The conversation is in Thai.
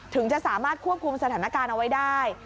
ถึงจะสามารถควบคุมสถานการณ์เอาไว้ได้